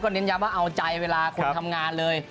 เน้นย้ำว่าเอาใจเวลาคนทำงานเลย